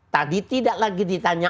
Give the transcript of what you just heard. tadi tidak lagi ditanya